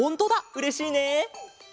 うれしいね。